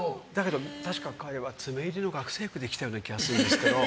彼は詰め襟の学生服で来たような気がするんですけど。